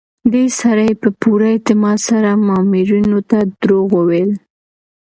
دې سړي په پوره اعتماد سره مامورینو ته دروغ وویل.